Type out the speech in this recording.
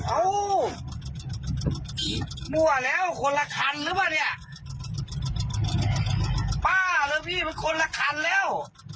เอ้ามั่วแล้วคนละคันหรือเปล่าเนี่ยป้าเลยพี่มันคนละคันแล้ว